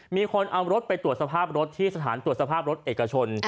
มีคนเอารถไปตรวจสภาพรถที่สถานตรวจสภาพรถเอกชน